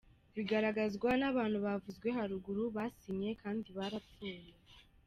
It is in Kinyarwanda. • Bigaragazwa n’abantu bavuzwe haruguru basinye kandi barapfuye.